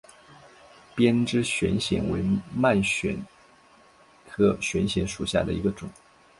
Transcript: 鞭枝悬藓为蔓藓科悬藓属下的一个种。